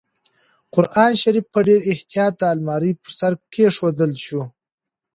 قرانشریف په ډېر احتیاط د المارۍ په سر کېښودل شو.